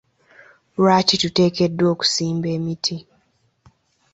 Lwaki tuteekeddwa okusimba emiti?